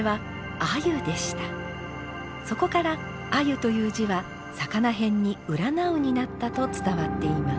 そこから鮎という字は魚偏に「占う」になったと伝わっています。